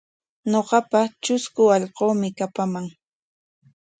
Ñuqapaqa trusku allquumi kapaman.